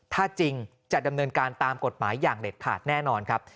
ถ้าจริงจะดำเนินการตามกฎหมายอย่างเด็ดขาดแน่นอนครับ